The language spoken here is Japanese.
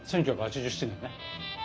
１９８７年ね。